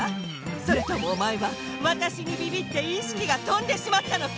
それともおまえはわたしにビビっていしきがとんでしまったのか？